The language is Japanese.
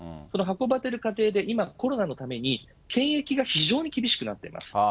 この運ばれる過程で、今、コロナのために検疫が非常に厳しくなっています。